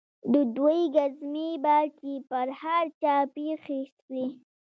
د دوى گزمې به چې پر هر چا پېښې سوې.